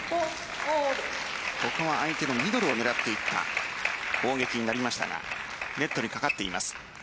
ここは相手のミドルを狙っていった攻撃になりましたがネットにかかっています。